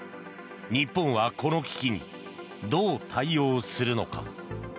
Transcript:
日本はこの危機にどう対応するのか。